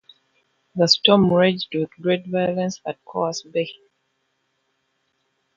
The storm raged with great violence at Coos Bay.